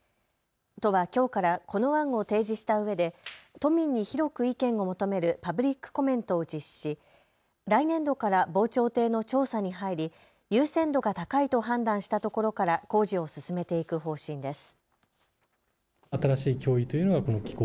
都はきょうから、この案を提示したうえで都民に広く意見を求めるパブリックコメントを実施し、来年度から防潮堤の調査に入り優先度が高いと判断した所から工事を進めていく方針です。